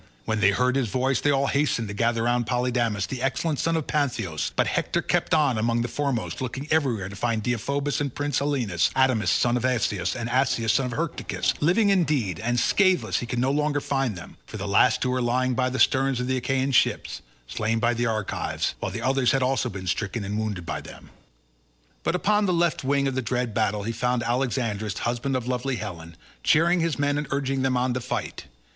When they heard his voice they all hastened to gather round Polydamas, the excellent son of Panthous, but Hector kept on among the foremost, looking everywhere to find Deiphobus and prince Helenus, Adamas son of Asius, and Asius son of Hyrtacus; living, indeed, and scatheless he could no longer find them, for the two last were lying by the sterns of the Achaean ships, slain by the Argives, while the others had been also stricken and wounded by them; but upon the left wing of the dread battle he found Alexandrus, husband of lovely Helen, cheering his men and urging them on to fight.